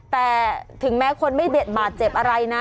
แต่ถึงแม้คนไม่เด็ดบาดเจ็บอะไรนะ